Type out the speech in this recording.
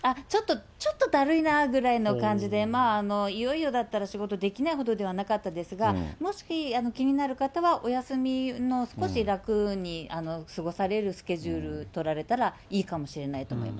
ちょっとだるいなぐらいの感じで、いよいよだったら仕事できないほどではなかったですが、もし気になる方は、お休みも少し楽に過ごされるスケジュール取られたら、いいかもしれないと思います。